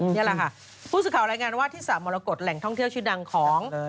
นี่แหละค่ะผู้สื่อข่าวรายงานว่าที่สระมรกฏแหล่งท่องเที่ยวชื่อดังของ